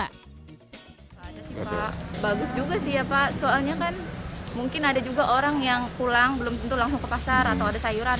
ada sih pak bagus juga sih ya pak soalnya kan mungkin ada juga orang yang pulang belum tentu langsung ke pasar atau ada sayuran